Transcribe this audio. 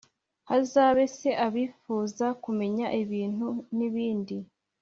Hazabe se abifuza kumenya ibintu n’ibindi?